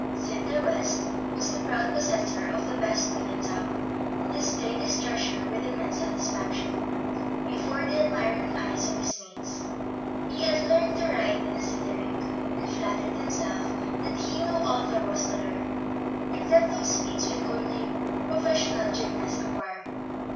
Sidney West was the proud possessor of the best wheel in town, and displayed his treasure with immense satisfaction before the admiring eyes of his mates. He had learned to ride in a city rink, and flattered himself that he knew all there was to learn, except those feats which only professional gymnasts acquire.